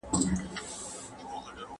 ¬ پياز دي وي، په نياز دي وي.